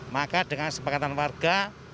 maka dengan sepakatan warga